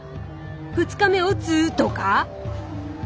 「２日目おつ」とか？